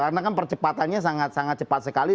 karena kan percepatannya sangat sangat cepat sekali